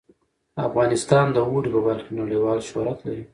افغانستان د اوړي په برخه کې نړیوال شهرت لري.